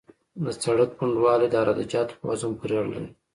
د سرک پنډوالی د عراده جاتو په وزن پورې اړه لري